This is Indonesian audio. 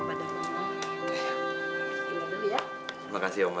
terima kasih om mbak